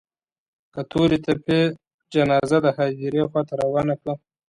که تورې تپې جنازه د هديرې خوا ته روانه کړه.